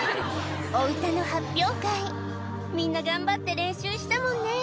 お歌の発表会みんな頑張って練習したもんね